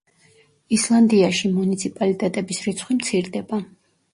ისლანდიაში მუნიციპალიტეტების რიცხვი მცირდება.